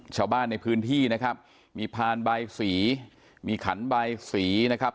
ชาวบ้านในพื้นที่นะครับมีพานใบสีมีขันใบสีนะครับ